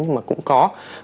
nhưng mà cũng có